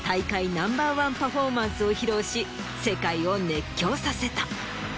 ナンバーワンパフォーマンスを披露し世界を熱狂させた。